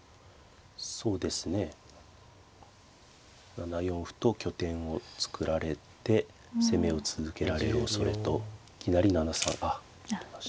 ７四歩と拠点を作られて攻めを続けられるおそれといきなり７三あっ行きましたね。